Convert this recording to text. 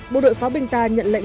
bộ đội pháo binh ta nhận lệnh